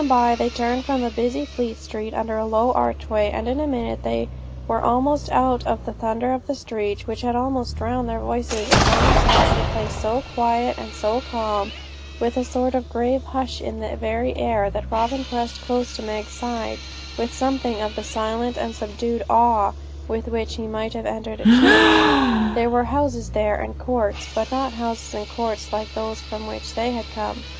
] By and by they turned from the busy Fleet Street under a low archway, and in a minute they were out of the thunder of the streets which had almost drowned their voices, and found themselves in a place so quiet and so calm, with a sort of grave hush in the very air, that Robin pressed close to Meg's side, with something of the silent and subdued awe with which he might have entered a church. There were houses here, and courts, but not houses and courts like those from which they had come.